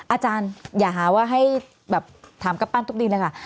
อาจารย์อย่าหาว่าให้แบบถามกัปปั้นทุกดีเลยค่ะ